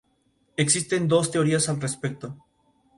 Existen dos teorías al respecto.